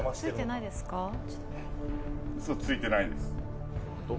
うそついてないです。